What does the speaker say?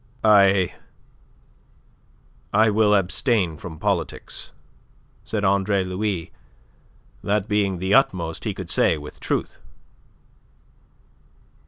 "I... I will abstain from politics," said Andre Louis, that being the utmost he could say with truth.